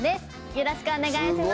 よろしくお願いします。